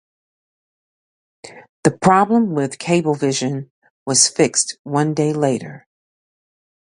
The problem with Cablevision was fixed one day later.